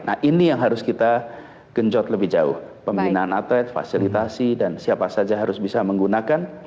nah ini yang harus kita genjot lebih jauh pembinaan atlet fasilitasi dan siapa saja harus bisa menggunakan